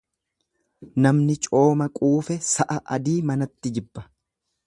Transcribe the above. Namni cooma quufe sa'a adii manatti jibba.